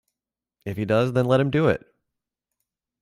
If he does then let him do it!